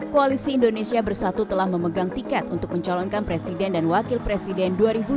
koalisi indonesia bersatu telah memegang tiket untuk mencalonkan presiden dan wakil presiden dua ribu dua puluh